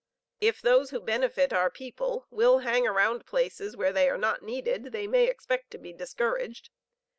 "If those who can benefit our people will hang around places where they are not needed, they may expect to be discouraged.